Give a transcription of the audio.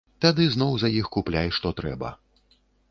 Тады зноў за іх купляй што трэба.